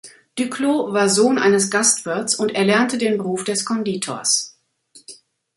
Duclos war Sohn eines Gastwirts und erlernte den Beruf des Konditors.